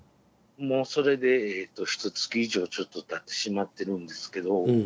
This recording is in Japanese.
もうそれでひとつき以上ちょっとたってしまってるんですけど。